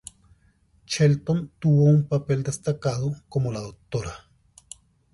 Shelton tuvo un papel destacado como la Dra.